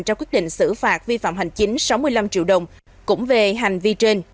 cho quyết định xử phạt vi phạm hành chính sáu mươi năm triệu đồng cũng về hành vi trên